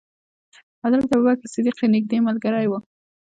حضرت ابو بکر صدیق یې نېږدې ملګری و.